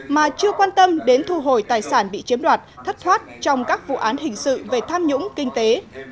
khiến thu hồi tài sản bị chiếm đoạt thất thoát trong các vụ án hình sự về tham nhũng kinh tế